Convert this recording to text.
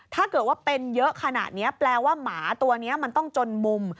ถ้าเกิดว่าเป็นเยอะขนาดนี้แปลว่าหมาตัวนี้มันต้องจนมุม